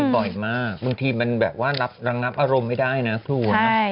บางทีมันแบบว่ารังนับอารมณ์ไม่ได้นะครู